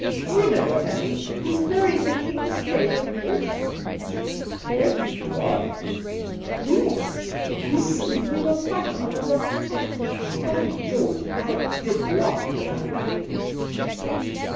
You know what I mean. He married the king's favourite daughter.' 'Great God !' V Ind una Nairn 125 ' Yes, You see, we were quite on the wrong tack. By George ! I did laugh when I heard it.'